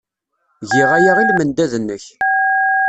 Giɣ aya i lmendad-nnek.